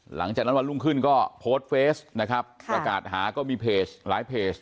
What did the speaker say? หลังจากนั้นวันลุ่มขึ้นก็โพสต์เฟสประกาศหาก็มีไลฟ์เพจ